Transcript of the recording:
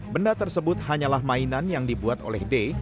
benda tersebut hanyalah mainan yang dibuat oleh d